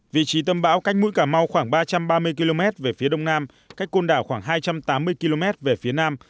vị trí tâm bão cách mũi cà mau khoảng ba trăm ba mươi km về phía đông nam cách côn đảo khoảng hai trăm tám mươi km về phía nam